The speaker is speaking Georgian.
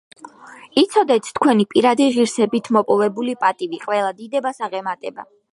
იცოდეთ, თქვენი პირადი ღირსებით მოპოვებული პატივი ყველა დიდებას აღემატება.